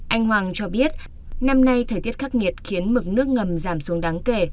anh hoàng cho biết năm nay thời tiết khắc nghiệt khiến mực nước ngầm giảm xuống đáng kể